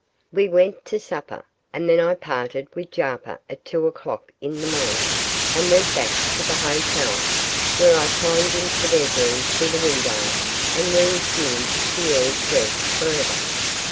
We went to supper, and then I parted with Jarper at two o'clock in the morning, and went back to the hotel, where I climbed into the bedroom through the window and reassumed Pierre's dress for ever.